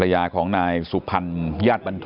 ลูกชายวัย๑๘ขวบบวชหน้าไฟให้กับพุ่งชนจนเสียชีวิตแล้วนะครับ